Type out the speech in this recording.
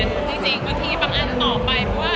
เป็นใจเลยจริงบางทีประมาณต่อไปก็ว่า